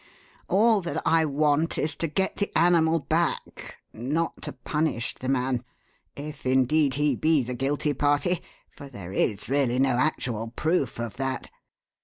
All that I want is to get the animal back not to punish the man: if, indeed, he be the guilty party; for there is really no actual proof of that.